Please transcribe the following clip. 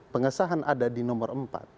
pengesahan ada di nomor empat